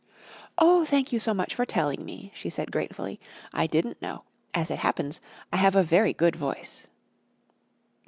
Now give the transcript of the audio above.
"Oh, thank you so much for telling me," she said gratefully. "I didn't know. As it happens, I have a very good voice."